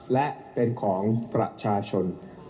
และเป็นของประชาชน